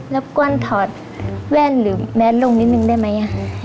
รับกวนถอดแว่นหรือแมสลงนิดนึงได้มั้ย